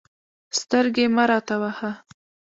سترګې مه راته وهه.